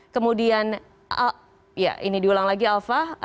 kemudian ya ini diulang lagi alfa